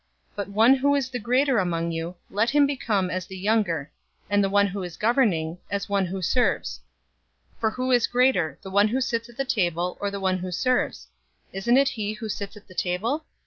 But one who is the greater among you, let him become as the younger, and one who is governing, as one who serves. 022:027 For who is greater, one who sits at the table, or one who serves? Isn't it he who sits at the table?